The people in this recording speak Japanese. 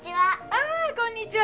ああこんにちは！